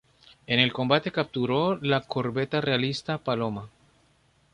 En el combate capturó la corbeta realista "Paloma".